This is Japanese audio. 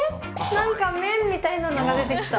なんか麺みたいのが出てきた。